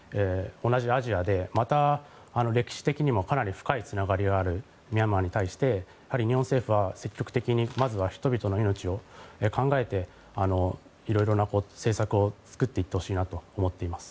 同じアジアでまた、歴史的にもかなり深いつながりがあるミャンマーに対して日本政府は積極的にまずは人々の命を考えて色々な政策を作っていってほしいなと思っています。